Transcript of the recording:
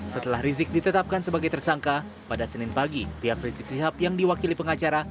setelah rizik ditetapkan sebagai tersangka pada senin pagi pihak rizik sihab yang diwakili pengacara